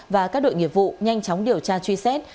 và các đội nghiệp vụ nhanh chóng điều tra truy xét